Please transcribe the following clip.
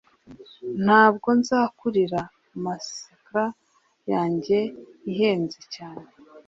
ntabwo nzakuririra, mascara yanjye ihenze cyane.